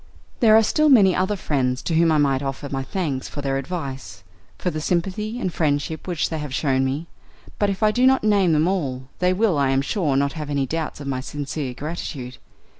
There are still many other friends to whom I might offer my thanks for their advice, for the sympathy and friendship which they have shown me; but if I do not name them all, they will, I am sure, not have any doubts of my sincere gratitude.